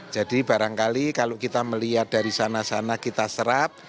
jadi barangkali kalau kita melihat dari sana sana kita serap